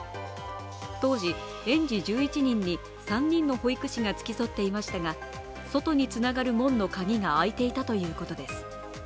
当時、園児１１人に３人の保育士が付き添っていましたが外につながる門の鍵が開いていたということです。